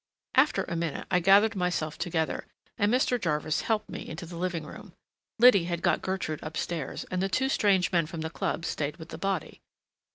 After a minute I gathered myself together and Mr. Jarvis helped me into the living room. Liddy had got Gertrude up stairs, and the two strange men from the club stayed with the body.